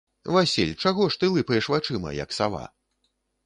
Васіль, чаго ж ты лыпаеш вачыма, як сава?